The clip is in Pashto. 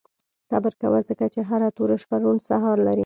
• صبر کوه، ځکه چې هره توره شپه روڼ سهار لري.